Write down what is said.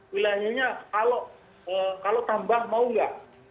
wilayahnya kalau tambang mau nggak